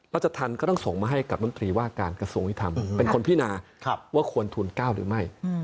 รัชธรรมก็ต้องส่งมาให้กับน้ำตรีว่าการกระทรวงยุทธรรมเป็นคนพินาว่าควรทูล๙หรือไม่